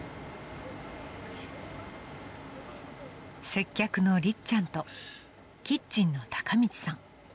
［接客のりっちゃんとキッチンの孝道さん］